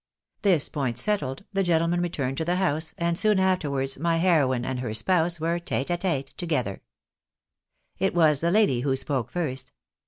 This point settled, the gentlemen returned to the house, and soon afterwards my heroine and her spouse were iete a tete together. It was the lady who spoke first.